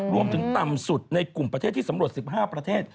ต่ำสุดในกลุ่มประเทศที่สำรวจ๑๕ประเทศ